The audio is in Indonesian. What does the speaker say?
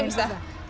kenapa lumayan susah